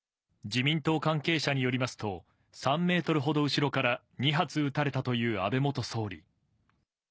自民党関係者によりますと、３メートルほど後ろから２発撃たれたという安倍元総理。